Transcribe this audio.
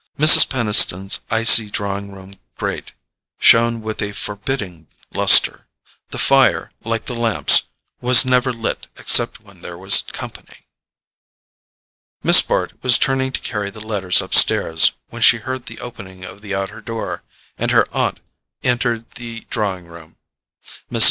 Mrs. Peniston's icy drawing room grate shone with a forbidding lustre: the fire, like the lamps, was never lit except when there was company. Miss Bart was turning to carry the letters upstairs when she heard the opening of the outer door, and her aunt entered the drawing room. Mrs.